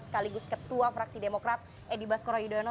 sekaligus ketua fraksi demokrat edi baskoro yudhoyono